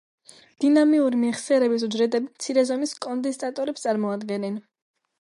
დინამიური მეხსიერების უჯრედები მცირე ზომის კონდენსატორებს წარმოადგენენ.